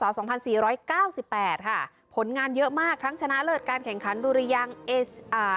สองพันสี่ร้อยเก้าสิบแปดค่ะผลงานเยอะมากทั้งชนะเลิศการแข่งขันดุริยังเอสอ่า